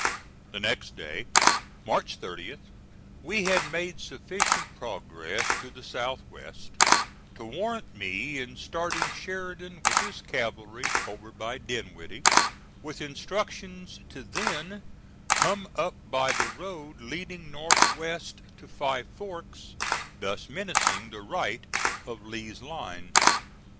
The next day, March 30th, we had made sufficient progress to the south west to warrant me in starting Sheridan with his cavalry over by Dinwiddie with instructions to then come up by the road leading north west to Five Forks, thus menacing the right of Lee's line.